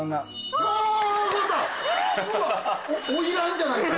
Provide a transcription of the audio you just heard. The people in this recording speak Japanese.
うわおいらんじゃないですか。